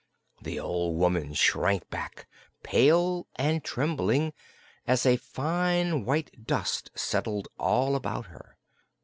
The old woman shrank back, pale and trembling, as a fine white dust settled all about her.